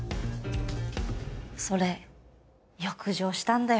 それ欲情したんだよ。